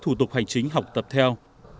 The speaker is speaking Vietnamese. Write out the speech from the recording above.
thủ tục hành chính học tập theo